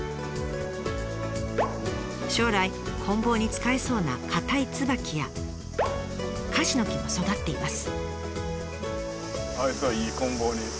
将来こん棒に使えそうなかたいツバキやカシの木も育っています。